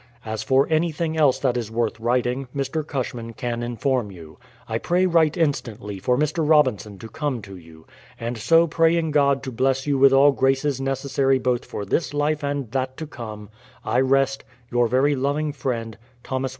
As for anything else that is worth writing, Mr. Cushman can inform you. I pray write instantly for Mr. Robinson to come to you. And so, praying God to bless you with all graces necessary both for this life and that to come, I rest. Your very loving friend, THOS.